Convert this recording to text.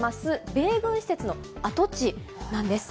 米軍施設の跡地なんです。